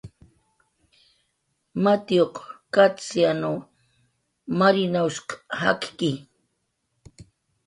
Matiyuq Kachyanw Marinawshq jakki